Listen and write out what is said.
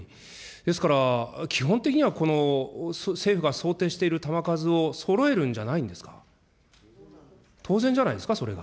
ですから、基本的には政府が想定している弾数をそろえるんじゃないんですか、当然じゃないですか、それが。